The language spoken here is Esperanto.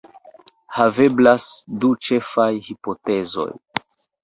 Haveblas du ĉefaj hipotezoj.